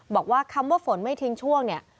บอกว่าคำว่าฝนไม่ทิ้งช่วงเนี่ย